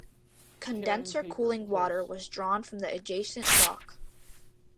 Condenser cooling water was drawn from the adjacent dock.